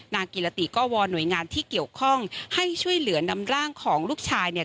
กิรติก็วอนหน่วยงานที่เกี่ยวข้องให้ช่วยเหลือนำร่างของลูกชายเนี่ย